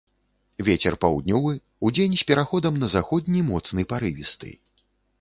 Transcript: Вецер паўднёвы, удзень з пераходам на заходні моцны парывісты.